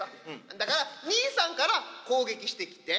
だから兄さんから攻撃してきて。